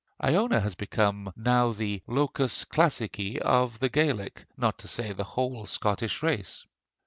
Iona has become now the locus classici of the Gaelic, not to say the whole Scottish race.